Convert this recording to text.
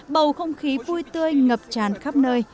bầu không khí vui tươi ngập tràn